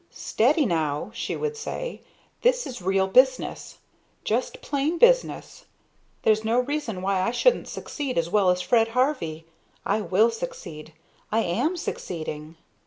"Steady, now!" she would say. "This is real business, just plain business. There's no reason why I shouldn't succeed as well as Fred Harvey. I will succeed. I am succeeding."